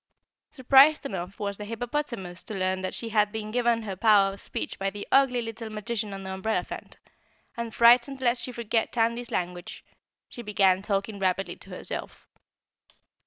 Surprised enough was the hippopotamus to learn that she had been given her power of speech by the ugly little magician on the umbrellaphant, and frightened lest she forget Tandy's language, she began talking rapidly to herself.